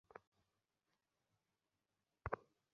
কি, আমি হাঁত দিয়ে খুড়ব?